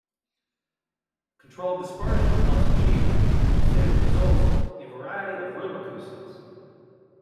Controlled dispersion helps achieving more stable results in variety of room acoustics.